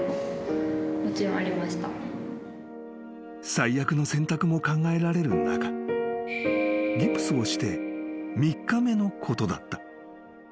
［最悪の選択も考えられる中ギプスをして３日目のことだった］